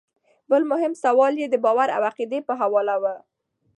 بل مهم سوال ئې د باور او عقيدې پۀ حواله وۀ